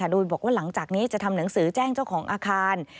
โดยบอกว่าหลังจากนี้จะทำหนังสือแจ้งเจ้าของอาคาร